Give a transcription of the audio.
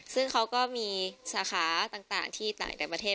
ซึ่งเขาก็มีสาขาต่างที่ต่างประเทศ